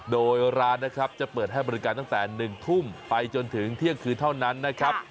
โดยร้านนะครับจะเปิดให้บริการตั้งแต่๑ทุ่มไปจนถึงเที่ยงคืนเท่านั้นนะครับ